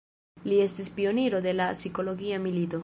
Li estis pioniro de la psikologia milito.